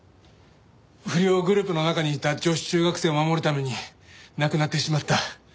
不良グループの中にいた女子中学生を守るために亡くなってしまった。